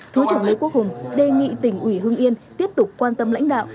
thứ trưởng lê quốc hùng đề nghị tỉnh ủy hương yên tiếp tục quan tâm lãnh đạo